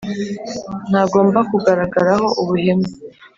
ntagomba kugaragaraho ubuhemu